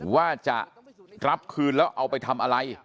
ว่าจะรับคืนแล้วเอาไปทำอะไร